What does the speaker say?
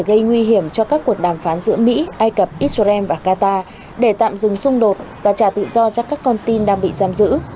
gây nguy hiểm cho các cuộc đàm phán giữa mỹ ai cập israel và qatar để tạm dừng xung đột và trả tự do cho các con tin đang bị giam giữ